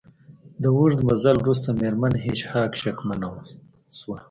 د اوږد مزل وروسته میرمن هیج هاګ شکمنه شوه